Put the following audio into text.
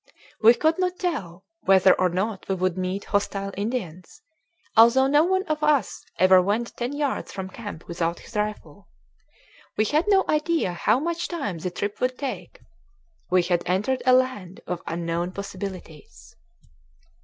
We could not tell whether or not we would meet hostile Indians, although no one of us ever went ten yards from camp without his rifle. We had no idea how much time the trip would take. We had entered a land of unknown possibilities.